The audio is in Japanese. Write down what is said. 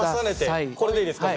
これでいいですか？